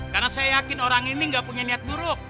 karena saya yakin orang ini gak punya niat buruk